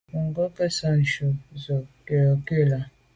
Bônke’ nke nson ju ze bo tù’ ngù là.